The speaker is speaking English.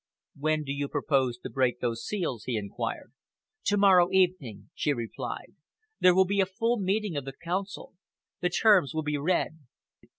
"When do you propose to break those seals?" he enquired. "To morrow evening," she replied. "There will be a full meeting of the Council. The terms will be read.